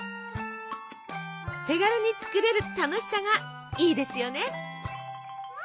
手軽に作れる楽しさがいいですよね！